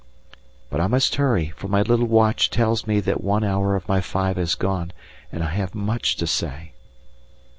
But I must hurry, for my little watch tells me that one hour of my five has gone, and I have much to say.